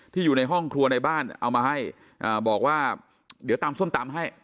อยู่ในห้องครัวในบ้านเอามาให้บอกว่าเดี๋ยวตำส้มตำให้